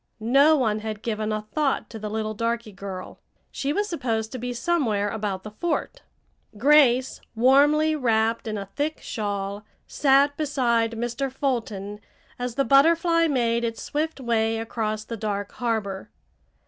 No one had given a thought to the little darky girl. She was supposed to be somewhere about the fort. Grace, warmly wrapped in a thick shawl, sat beside Mr. Fulton as the Butterfly made its swift way across the dark harbor.